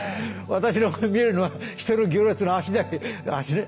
私に見えるのは人の行列の足だけ。